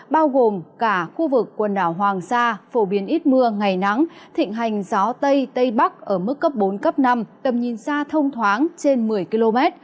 bao gồm cả khu vực quần đảo hoàng sa phổ biến ít mưa ngày nắng thịnh hành gió tây tây bắc ở mức cấp bốn cấp năm tầm nhìn xa thông thoáng trên một mươi km